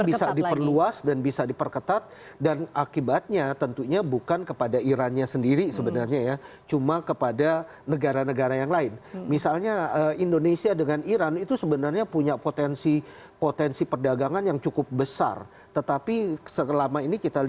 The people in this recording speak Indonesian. berapa besar kemungkinannya bahwa amerika kemudian akan melakukan serangan balik